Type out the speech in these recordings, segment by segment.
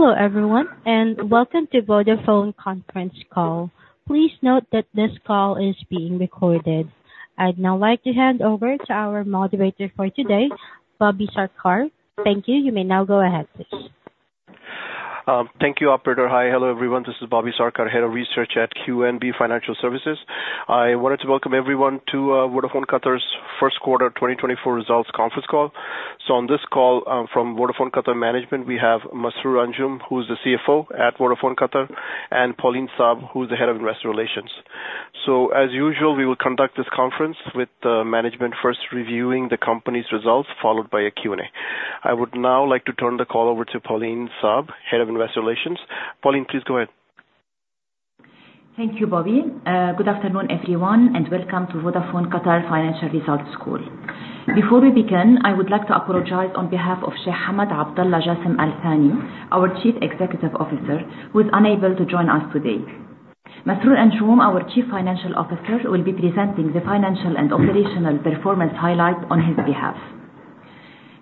Hello everyone and welcome to Vodafone Conference Call. Please note that this call is being recorded. I'd now like to hand over to our moderator for today, Bobby Sarkar. Thank you. You may now go ahead, please. Thank you, Operator. Hi, hello everyone. This is Bobby Sarkar, Head of Research at QNB Financial Services. I wanted to welcome everyone to Vodafone Qatar's first quarter 2024 results conference call. On this call from Vodafone Qatar management, we have Masroor Anjum, who's the CFO at Vodafone Qatar, and Pauline Saab, who's the Head of Investor Relations. As usual, we will conduct this conference with management first reviewing the company's results, followed by a Q&A. I would now like to turn the call over to Pauline Saab, Head of Investor Relations. Pauline, please go ahead. Thank you, Bobby. Good afternoon everyone and welcome to Vodafone Qatar Financial Results Call. Before we begin, I would like to apologize on behalf of Sheikh Hamad Abdulla Jassim Al-Thani, our Chief Executive Officer, who is unable to join us today. Masroor Anjum, our Chief Financial Officer, will be presenting the financial and operational performance highlight on his behalf.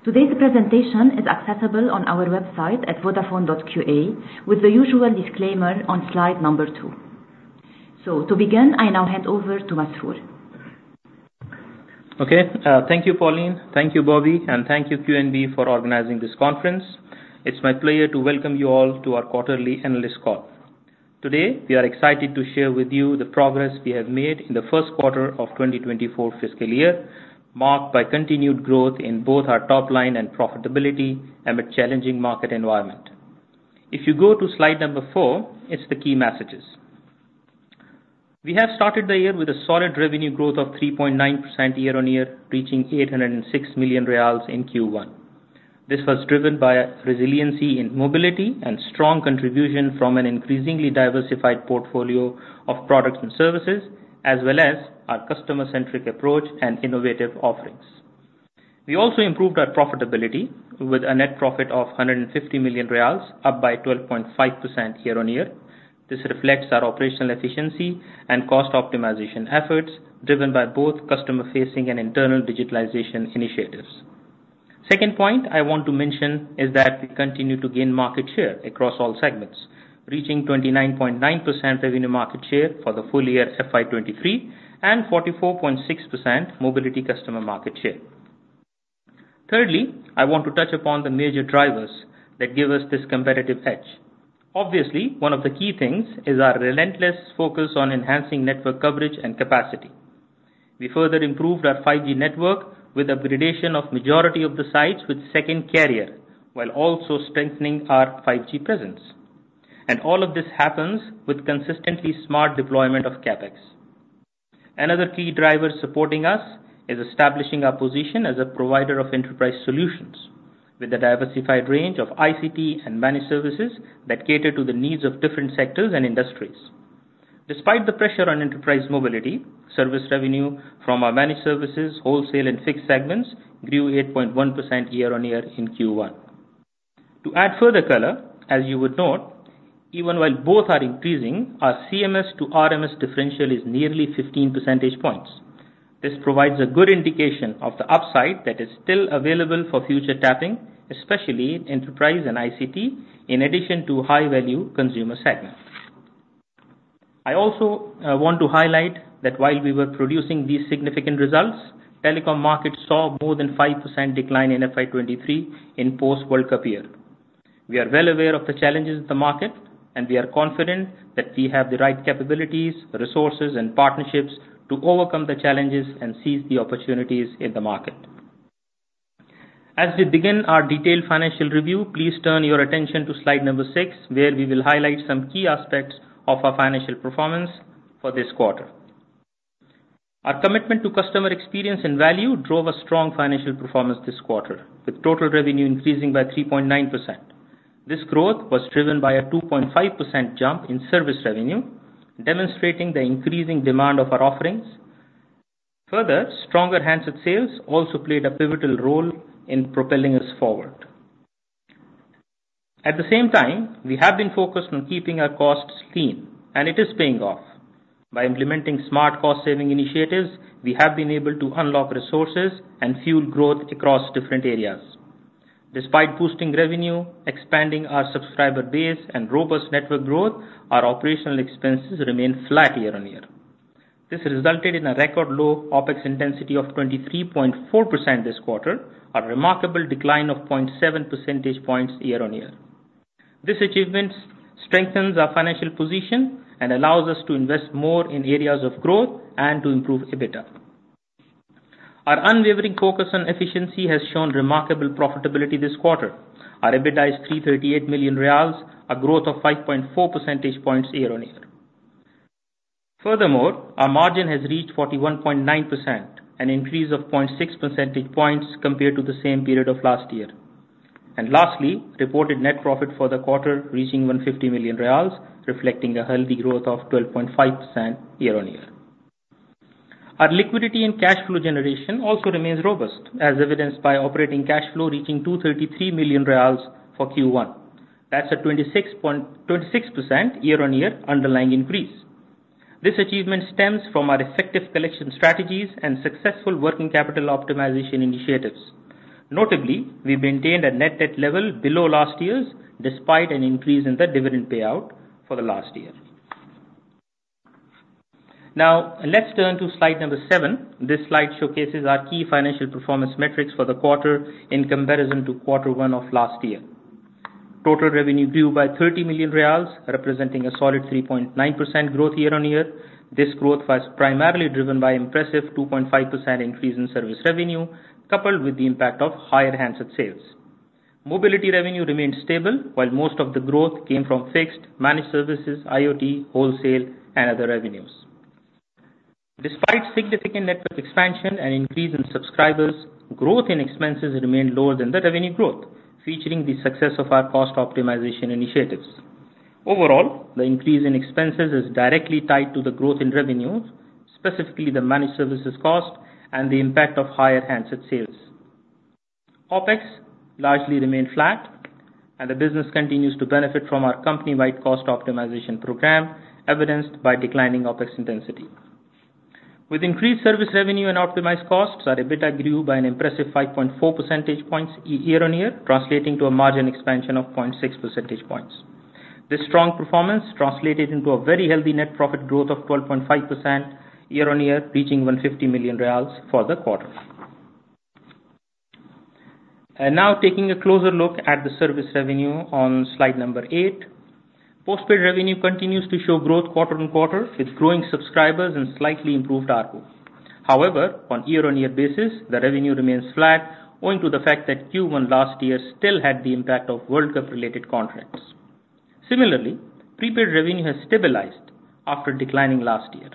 Today's presentation is accessible on our website at vodafone.qa with the usual disclaimer on slide number two. To begin, I now hand over to Masroor. Okay. Thank you, Pauline. Thank you, Bobby. And thank you, QNB, for organizing this conference. It's my pleasure to welcome you all to our quarterly analyst call. Today, we are excited to share with you the progress we have made in the first quarter of 2024 fiscal year, marked by continued growth in both our top line and profitability amid challenging market environment. If you go to slide number four, it's the key messages. We have started the year with a solid revenue growth of 3.9% year-on-year, reaching 806 million riyals in Q1. This was driven by resiliency in mobility and strong contribution from an increasingly diversified portfolio of products and services, as well as our customer-centric approach and innovative offerings. We also improved our profitability with a net profit of 150 million riyals, up by 12.5% year-on-year. This reflects our operational efficiency and cost optimization efforts driven by both customer-facing and internal digitalization initiatives. Second point I want to mention is that we continue to gain market share across all segments, reaching 29.9% revenue market share for the full year FY 2023 and 44.6% mobility customer market share. Thirdly, I want to touch upon the major drivers that give us this competitive edge. Obviously, one of the key things is our relentless focus on enhancing network coverage and capacity. We further improved our 5G network with upgradation of the majority of the sites with second carrier, while also strengthening our 5G presence. And all of this happens with consistently smart deployment of CapEx. Another key driver supporting us is establishing our position as a provider of enterprise solutions, with a diversified range of ICT and managed services that cater to the needs of different sectors and industries. Despite the pressure on enterprise mobility, service revenue from our managed services, wholesale, and fixed segments grew 8.1% year-on-year in Q1. To add further color, as you would note, even while both are increasing, our CMS to RMS differential is nearly 15 percentage points. This provides a good indication of the upside that is still available for future tapping, especially in enterprise and ICT, in addition to high-value consumer segments. I also want to highlight that while we were producing these significant results, telecom markets saw more than 5% decline in FY 2023 in post-World Cup year. We are well aware of the challenges of the market, and we are confident that we have the right capabilities, resources, and partnerships to overcome the challenges and seize the opportunities in the market. As we begin our detailed financial review, please turn your attention to slide number 6, where we will highlight some key aspects of our financial performance for this quarter. Our commitment to customer experience and value drove a strong financial performance this quarter, with total revenue increasing by 3.9%. This growth was driven by a 2.5% jump in service revenue, demonstrating the increasing demand of our offerings. Further, stronger handset sales also played a pivotal role in propelling us forward. At the same time, we have been focused on keeping our costs clean, and it is paying off. By implementing smart cost-saving initiatives, we have been able to unlock resources and fuel growth across different areas. Despite boosting revenue, expanding our subscriber base, and robust network growth, our operational expenses remain flat year-on-year. This resulted in a record low OpEx intensity of 23.4% this quarter, a remarkable decline of 0.7 percentage points year-on-year. This achievement strengthens our financial position and allows us to invest more in areas of growth and to improve EBITDA. Our unwavering focus on efficiency has shown remarkable profitability this quarter. Our EBITDA is 338 million riyals, a growth of 5.4 percentage points year-on-year. Furthermore, our margin has reached 41.9%, an increase of 0.6 percentage points compared to the same period of last year. Lastly, reported net profit for the quarter reaching 150 million riyals, reflecting a healthy growth of 12.5% year-on-year. Our liquidity and cash flow generation also remains robust, as evidenced by operating cash flow reaching 233 million riyals for Q1. That's a 26% year-on-year underlying increase. This achievement stems from our effective collection strategies and successful working capital optimization initiatives. Notably, we maintained a net debt level below last year's, despite an increase in the dividend payout for the last year. Now, let's turn to slide number 7. This slide showcases our key financial performance metrics for the quarter in comparison to quarter one of last year. Total revenue grew by 30 million riyals, representing a solid 3.9% growth year-on-year. This growth was primarily driven by an impressive 2.5% increase in service revenue, coupled with the impact of higher handset sales. Mobility revenue remained stable, while most of the growth came from fixed, managed services, IoT, wholesale, and other revenues. Despite significant network expansion and increase in subscribers, growth in expenses remained lower than the revenue growth, featuring the success of our cost optimization initiatives. Overall, the increase in expenses is directly tied to the growth in revenues, specifically the managed services cost and the impact of higher handset sales. OpEx largely remained flat, and the business continues to benefit from our company-wide cost optimization program, evidenced by declining OpEx intensity. With increased service revenue and optimized costs, our EBITDA grew by an impressive 5.4 percentage points year-on-year, translating to a margin expansion of 0.6 percentage points. This strong performance translated into a very healthy net profit growth of 12.5% year-on-year, reaching 150 million riyals for the quarter. Now, taking a closer look at the service revenue on slide 8. Postpaid revenue continues to show growth quarter-on-quarter, with growing subscribers and slightly improved ARPU. However, on a year-on-year basis, the revenue remains flat, owing to the fact that Q1 last year still had the impact of World Cup-related contracts. Similarly, prepaid revenue has stabilized after declining last year.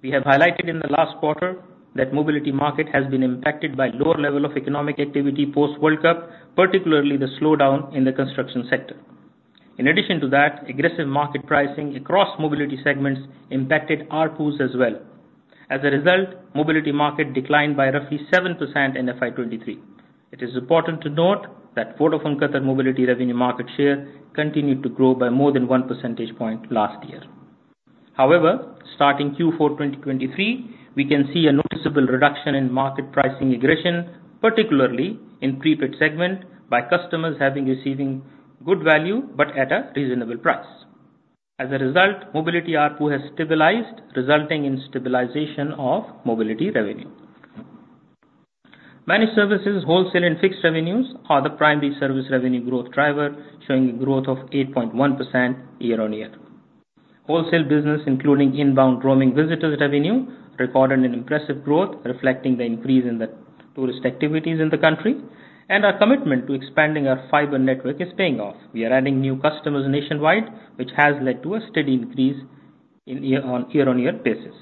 We have highlighted in the last quarter that the mobility market has been impacted by a lower level of economic activity post-World Cup, particularly the slowdown in the construction sector. In addition to that, aggressive market pricing across mobility segments impacted ARPUs as well. As a result, the mobility market declined by roughly 7% in FY 2023. It is important to note that Vodafone Qatar mobility revenue market share continued to grow by more than 1 percentage point last year. However, starting Q4 2023, we can see a noticeable reduction in market pricing aggression, particularly in the prepaid segment, by customers having received good value but at a reasonable price. As a result, mobility ARPU has stabilized, resulting in stabilization of mobility revenue. Managed services, wholesale, and fixed revenues are the primary service revenue growth driver, showing a growth of 8.1% year-on-year. Wholesale business, including inbound roaming visitors revenue, recorded an impressive growth, reflecting the increase in tourist activities in the country. Our commitment to expanding our fiber network is paying off. We are adding new customers nationwide, which has led to a steady increase on a year-on-year basis.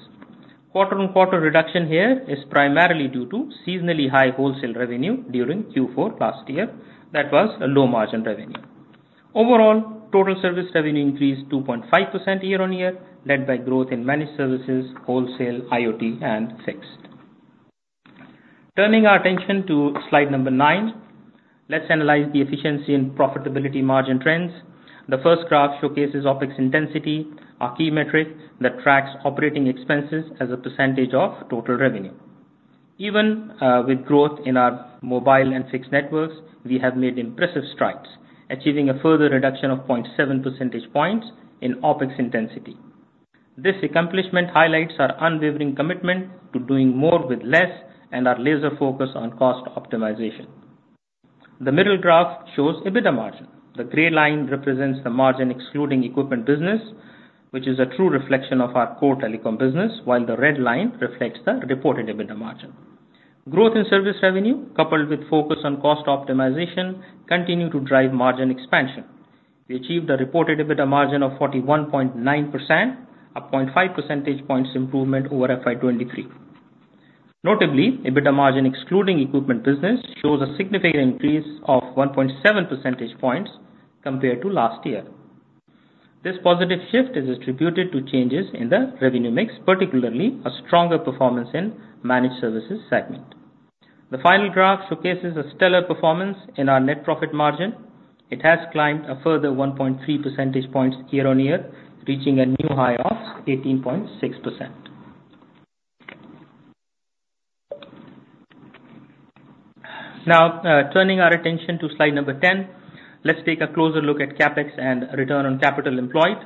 Quarter-on-quarter reduction here is primarily due to seasonally high wholesale revenue during Q4 last year. That was low-margin revenue. Overall, total service revenue increased 2.5% year-on-year, led by growth in managed services, wholesale, IoT, and fixed. Turning our attention to slide number nine, let's analyze the efficiency and profitability margin trends. The first graph showcases OpEx intensity, our key metric that tracks operating expenses as a percentage of total revenue. Even with growth in our mobile and fixed networks, we have made impressive strides, achieving a further reduction of 0.7 percentage points in OpEx intensity. This accomplishment highlights our unwavering commitment to doing more with less and our laser focus on cost optimization. The middle graph shows EBITDA margin. The grey line represents the margin excluding equipment business, which is a true reflection of our core telecom business, while the red line reflects the reported EBITDA margin. Growth in service revenue, coupled with focus on cost optimization, continued to drive margin expansion. We achieved a reported EBITDA margin of 41.9%, a 0.5 percentage point improvement over FY 2023. Notably, EBITDA margin excluding equipment business shows a significant increase of 1.7 percentage points compared to last year. This positive shift is attributed to changes in the revenue mix, particularly a stronger performance in the managed services segment. The final graph showcases a stellar performance in our net profit margin. It has climbed a further 1.3 percentage points year-on-year, reaching a new high of 18.6%. Now, turning our attention to slide number 10, let's take a closer look at CapEx and return on capital employed.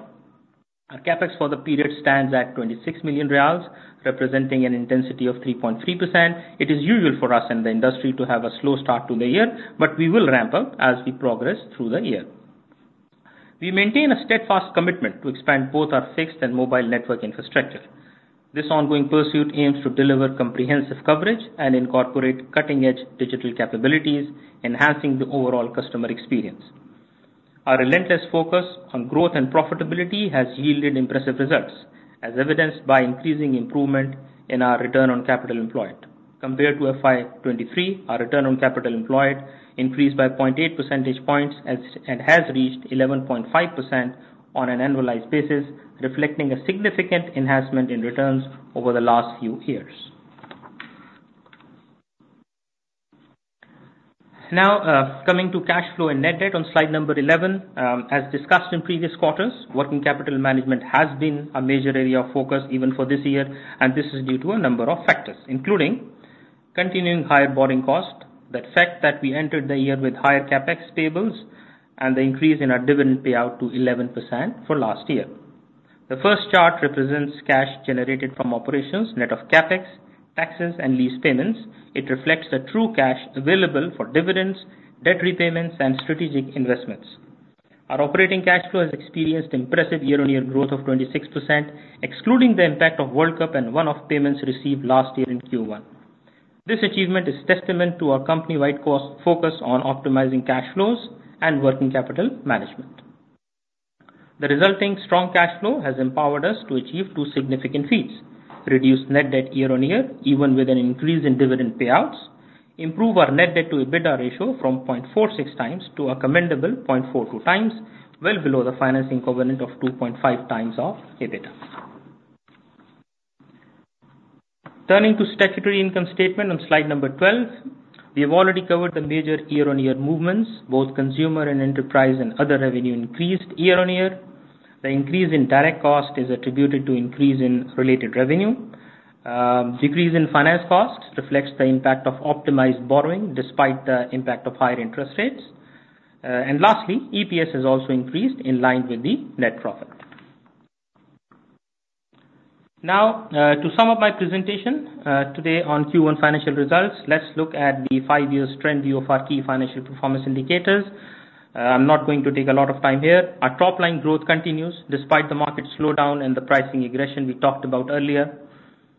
Our CapEx for the period stands at 26 million riyals, representing an intensity of 3.3%. It is usual for us in the industry to have a slow start to the year, but we will ramp up as we progress through the year. We maintain a steadfast commitment to expand both our fixed and mobile network infrastructure. This ongoing pursuit aims to deliver comprehensive coverage and incorporate cutting-edge digital capabilities, enhancing the overall customer experience. Our relentless focus on growth and profitability has yielded impressive results, as evidenced by increasing improvement in our return on capital employed. Compared to FY 2023, our return on capital employed increased by 0.8 percentage points and has reached 11.5% on an annualized basis, reflecting a significant enhancement in returns over the last few years. Now, coming to cash flow and net debt on slide number 11. As discussed in previous quarters, working capital management has been a major area of focus even for this year, and this is due to a number of factors, including continuing higher borrowing cost, the fact that we entered the year with higher CapEx payables, and the increase in our dividend payout to 11% for last year. The first chart represents cash generated from operations, net of CapEx, taxes, and lease payments. It reflects the true cash available for dividends, debt repayments, and strategic investments. Our operating cash flow has experienced impressive year-on-year growth of 26%, excluding the impact of World Cup and one-off payments received last year in Q1. This achievement is testament to our company-wide focus on optimizing cash flows and working capital management. The resulting strong cash flow has empowered us to achieve two significant feats: reduce net debt year-on-year, even with an increase in dividend payouts; improve our net debt-to-EBITDA ratio from 0.46 times to a commendable 0.42 times, well below the financing covenant of 2.5 times of EBITDA. Turning to statutory income statement on slide number 12. We have already covered the major year-on-year movements. Both consumer and enterprise and other revenue increased year-on-year. The increase in direct cost is attributed to an increase in related revenue. Decrease in finance costs reflects the impact of optimized borrowing despite the impact of higher interest rates. Lastly, EPS has also increased in line with the net profit. Now, to sum up my presentation today on Q1 financial results, let's look at the five-year trend view of our key financial performance indicators. I'm not going to take a lot of time here. Our top-line growth continues despite the market slowdown and the pricing aggression we talked about earlier.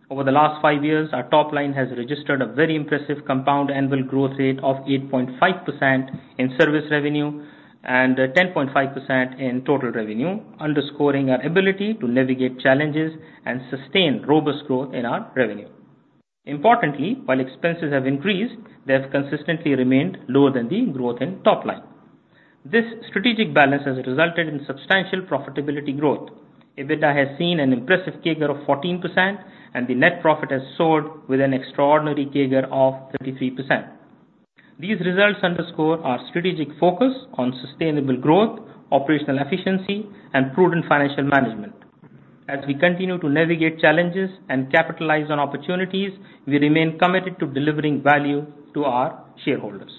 Over the last five years, our top-line has registered a very impressive compound annual growth rate of 8.5% in service revenue and 10.5% in total revenue, underscoring our ability to navigate challenges and sustain robust growth in our revenue. Importantly, while expenses have increased, they have consistently remained lower than the growth in top-line. This strategic balance has resulted in substantial profitability growth. EBITDA has seen an impressive CAGR of 14%, and the net profit has soared with an extraordinary CAGR of 33%. These results underscore our strategic focus on sustainable growth, operational efficiency, and prudent financial management. As we continue to navigate challenges and capitalize on opportunities, we remain committed to delivering value to our shareholders.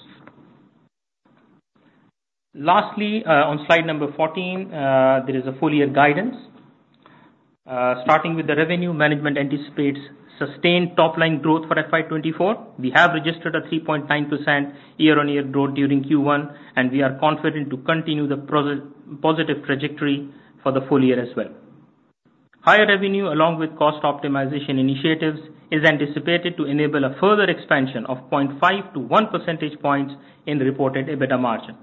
Lastly, on slide number 14, there is a full-year guidance. Starting with the revenue, management anticipates sustained top-line growth for FY 2024. We have registered a 3.9% year-on-year growth during Q1, and we are confident to continue the positive trajectory for the full year as well. Higher revenue, along with cost optimization initiatives, is anticipated to enable a further expansion of 0.5-1 percentage points in reported EBITDA margin.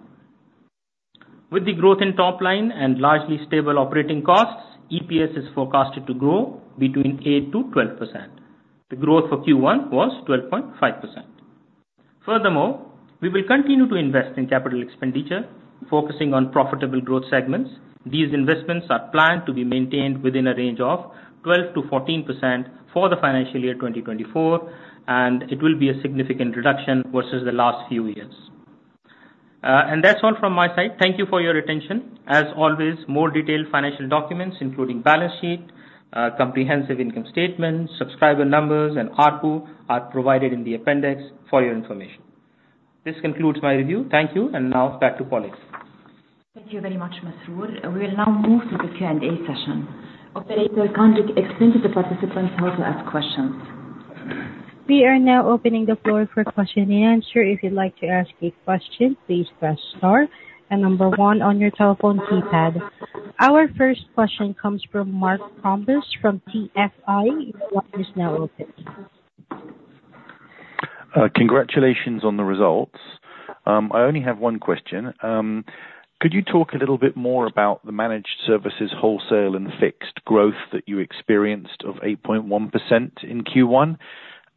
With the growth in top-line and largely stable operating costs, EPS is forecasted to grow between 8%-12%. The growth for Q1 was 12.5%. Furthermore, we will continue to invest in capital expenditure, focusing on profitable growth segments. These investments are planned to be maintained within a range of 12%-14% for the financial year 2024, and it will be a significant reduction versus the last few years. That's all from my side. Thank you for your attention. As always, more detailed financial documents, including balance sheet, comprehensive income statements, subscriber numbers, and ARPU, are provided in the appendix for your information. This concludes my review. Thank you. Now, back to Pauline. Thank you very much, Masroor. We will now move to the Q&A session. Operator, kindly extend to the participants how to ask questions. We are now opening the floor for question and answer. If you'd like to ask a question, please press star and number one on your telephone keypad. Our first question comes from Mark Krombas from TFI. The floor is now open. Congratulations on the results. I only have one question. Could you talk a little bit more about the managed services, wholesale, and fixed growth that you experienced of 8.1% in Q1,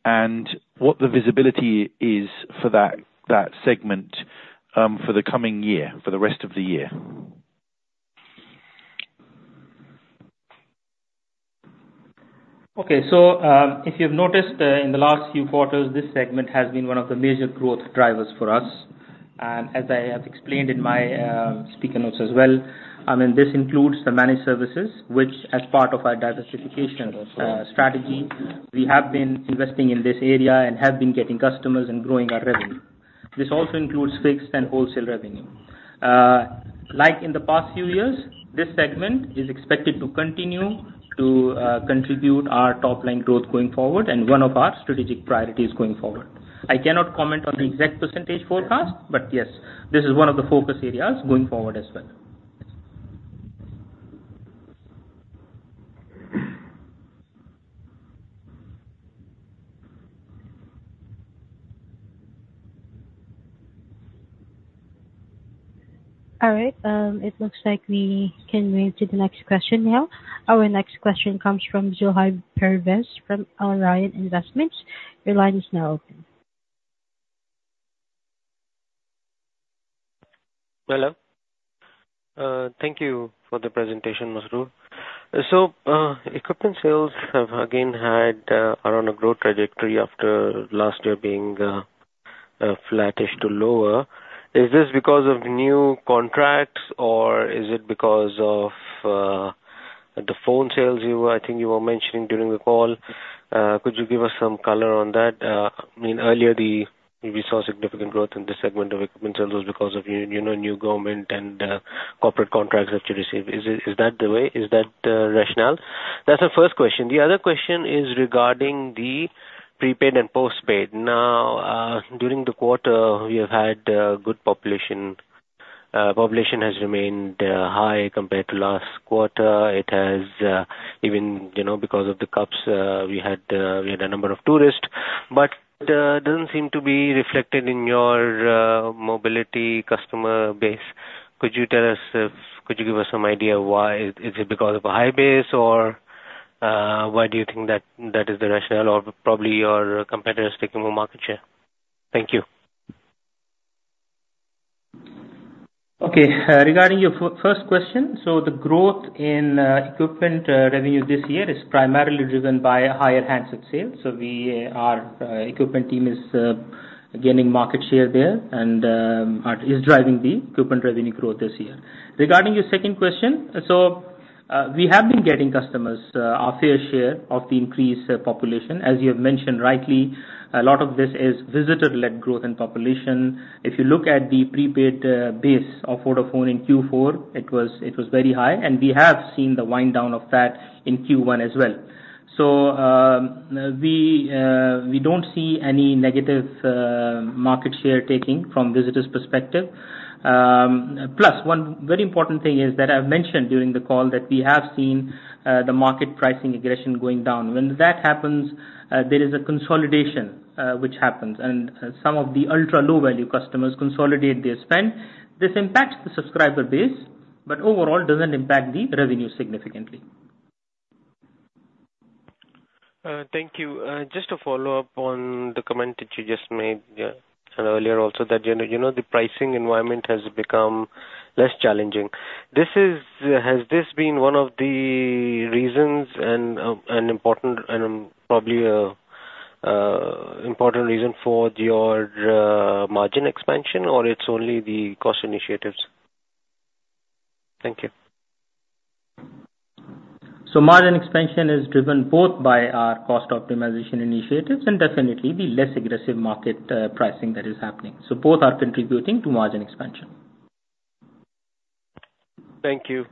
and what the visibility is for that segment for the coming year, for the rest of the year? Okay. So if you've noticed, in the last few quarters, this segment has been one of the major growth drivers for us. And as I have explained in my speaker notes as well, this includes the managed services, which, as part of our diversification strategy, we have been investing in this area and have been getting customers and growing our revenue. This also includes fixed and wholesale revenue. Like in the past few years, this segment is expected to continue to contribute our top-line growth going forward, and one of our strategic priorities going forward. I cannot comment on the exact percentage forecast, but yes, this is one of the focus areas going forward as well. All right. It looks like we can move to the next question now. Our next question comes from Zohaib Pervez from Al Rayan Investments. Your line is now open. Hello? Thank you for the presentation, Masroor. So equipment sales have, again, are on a growth trajectory after last year being flattish to lower. Is this because of new contracts, or is it because of the phone sales you were, I think, mentioning during the call? Could you give us some color on that? I mean, earlier, we saw significant growth in this segment of equipment sales. It was because of new government and corporate contracts that you received. Is that the way? Is that rational? That's the first question. The other question is regarding the prepaid and postpaid. Now, during the quarter, we have had good population. Population has remained high compared to last quarter. Even because of the Cups, we had a number of tourists. But it doesn't seem to be reflected in your mobility customer base. Could you tell us if could you give us some idea why? Is it because of a high base, or why do you think that is the rationale, or probably your competitors taking more market share? Thank you. Okay. Regarding your first question, so the growth in equipment revenue this year is primarily driven by higher handset sales. So our equipment team is gaining market share there and is driving the equipment revenue growth this year. Regarding your second question, so we have been getting customers, a fair share of the increased population. As you have mentioned rightly, a lot of this is visitor-led growth in population. If you look at the prepaid base of Vodafone in Q4, it was very high, and we have seen the wind-down of that in Q1 as well. So we don't see any negative market share taking from visitors' perspective. Plus, one very important thing is that I've mentioned during the call that we have seen the market pricing aggression going down. When that happens, there is a consolidation which happens, and some of the ultra-low-value customers consolidate their spend. This impacts the subscriber base, but overall, it doesn't impact the revenue significantly. Thank you. Just to follow up on the comment that you just made earlier also that you know the pricing environment has become less challenging. Has this been one of the reasons and an important and probably an important reason for your margin expansion, or it's only the cost initiatives? Thank you. So margin expansion is driven both by our cost optimization initiatives and definitely the less aggressive market pricing that is happening. So both are contributing to margin expansion. Thank you.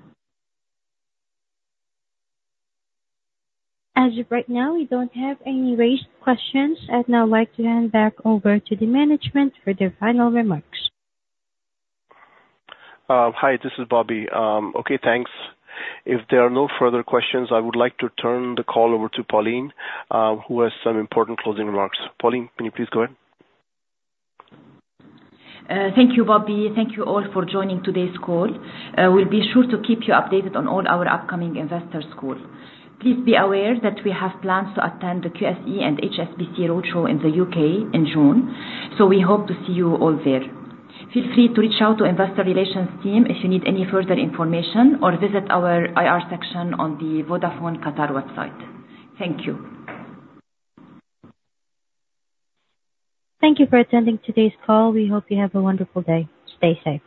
As of right now, we don't have any raised questions. I'd now like to hand back over to the management for their final remarks. Hi. This is Bobby. Okay. Thanks. If there are no further questions, I would like to turn the call over to Pauline, who has some important closing remarks. Pauline, can you please go ahead? Thank you, Bobby. Thank you all for joining today's call. We'll be sure to keep you updated on all our upcoming investors' calls. Please be aware that we have plans to attend the QSE and HSBC roadshow in the UK in June, so we hope to see you all there. Feel free to reach out to the investor relations team if you need any further information or visit our IR section on the Vodafone Qatar website. Thank you. Thank you for attending today's call. We hope you have a wonderful day. Stay safe.